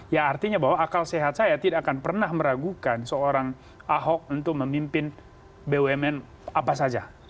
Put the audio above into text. ya artinya bahwa akal sehat saya tidak akan pernah meragukan seorang ahok untuk memimpin bumn apa saja